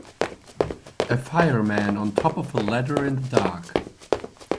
A fireman on top of a ladder in the dark.